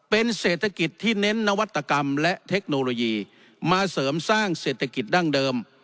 เป็นเศรษฐกิจที่เน้นนวัตกรรมและเทคโนโลยีมาเสริมสร้างเศรษฐกิจดั้งเดิม